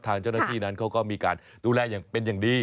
ทางเจ้าหน้าที่นั้นเขาก็มีการดูแลอย่างเป็นอย่างดี